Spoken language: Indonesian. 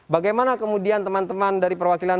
bagaimana kemudian teman teman dari perwakilan